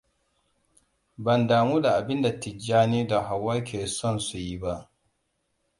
Ban damu da abinda Tijjani da Hauwaam ke son su yi ba.